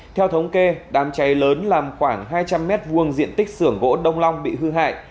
theo thống kê đám cháy lớn làm khoảng hai trăm linh m hai diện tích xưởng gỗ đông long bị hư hại